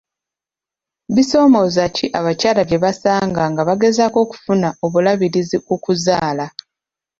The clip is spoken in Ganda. Bisomooza ki abakyala bye basanga nga bagezaako okufuna obulabirizi ku kuzaala?